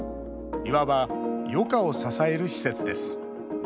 いわば、余暇を支える施設です。